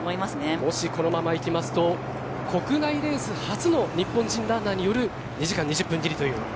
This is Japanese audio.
もしこのままいきますと国内レース初の日本人ランナーによる２時間２０分切りという。